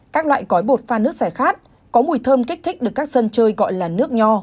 các loại gói bột pha nước sẻ khát có mùi thơm kích thích được các dân chơi gọi là nước nho